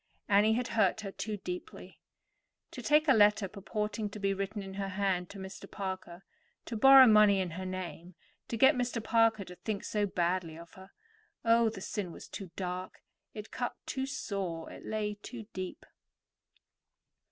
Annie had hurt her too deeply. To take a letter purporting to be written in her hand to Mr. Parker, to borrow money in her name, to get Mr. Parker to think so badly of her. Oh, the sin was too dark; it cut too sore; it lay too deep.